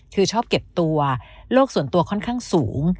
คือชอบเก็บตัวโลกส่วนตัวค่อนข้างสูง